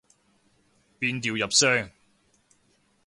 變調入聲